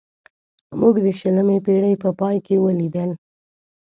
موږ د شلمې پېړۍ په پای کې ولیدل.